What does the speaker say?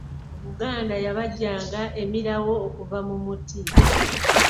omuganda yabajhanga emilaeo okuva mu miti